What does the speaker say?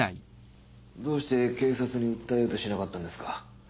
どうして警察に訴えようとしなかったんですか？